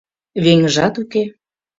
Веҥыжат уке.